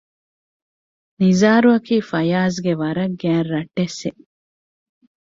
ނިޒާރު އަކީ ފަޔާޒްގެ ވަރަށް ގާތް ރަށްޓެއްސެއް